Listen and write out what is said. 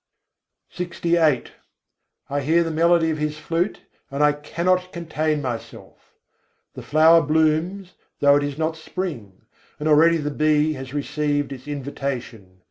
LXVIII III. 102. ham se rahâ na jây I hear the melody of His flute, and I cannot contain myself: The flower blooms, though it is not spring; and already the bee has received its invitation.